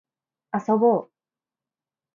遊ぼう